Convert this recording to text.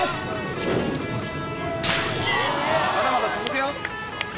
まだまだ続くよ。